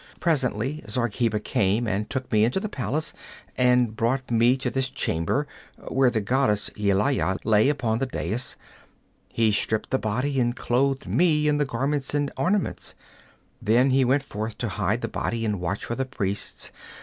Presently Zargheba came and took me into the palace and brought me to this chamber, where the goddess Yelaya lay upon the dais. He stripped the body and clothed me in the garments and ornaments. Then he went forth to hide the body and watch for the priests.